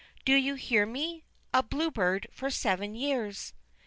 Do you hear me? a Blue Bird for seven years.'